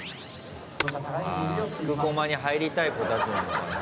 筑駒に入りたい子たちなのかな？